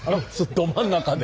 ど真ん中で。